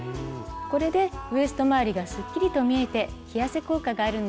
これでウエスト回りがすっきりと見えて着痩せ効果があるんです。